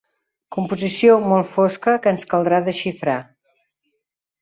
Composició molt fosca que ens caldrà desxifrar.